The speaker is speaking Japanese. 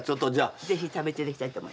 ぜひ食べて頂きたいと思います。